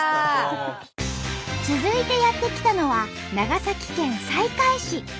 続いてやって来たのは長崎県西海市。